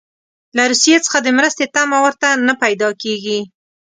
له روسیې څخه د مرستې تمه ورته نه پیدا کیږي.